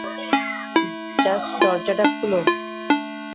Just দরজাটা খুলো!